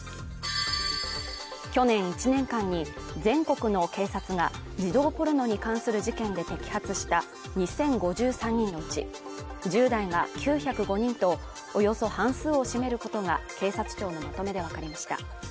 去年１年間に全国の警察が児童ポルノに関する事件で摘発した２０５３人のうち、１０代が９０５人とおよそ半数を占めることが警察庁のまとめでわかりました。